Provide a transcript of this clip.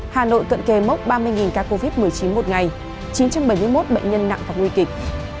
hà nội cận kề mốc ba mươi ca covid một mươi chín một ngày chín trăm bảy mươi một bệnh nhân nặng và nguy kịch